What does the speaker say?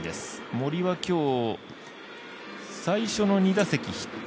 森は、今日最初の２打席ヒット。